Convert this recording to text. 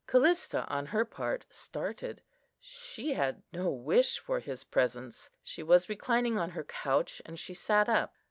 Callista, on her part, started; she had no wish for his presence. She was reclining on her couch, and she sat up.